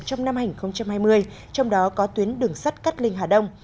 trong năm hành hai mươi trong đó có tuyến đường sắt cắt lên hà đông